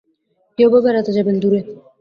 কেউবা বেড়াতে যাবেন দূরে।